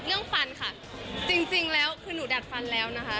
ฟันค่ะจริงจริงแล้วคือหนูดัดฟันแล้วนะคะ